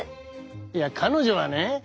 いや彼女はね